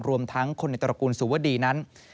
รวมทั้งคนในตระกูลสุวดีนั้น